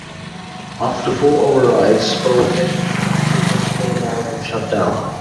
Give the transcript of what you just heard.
After four overrides, both engines experienced flameout and shut down.